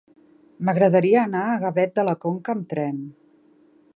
M'agradaria anar a Gavet de la Conca amb tren.